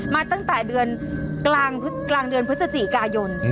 มาตั้งแต่เดือนกลางเดือนพฤศจิกายน